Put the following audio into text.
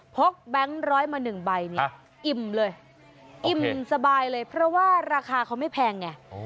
กแบงค์ร้อยมาหนึ่งใบนี้อิ่มเลยอิ่มสบายเลยเพราะว่าราคาเขาไม่แพงไง